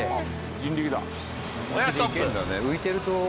人力だ。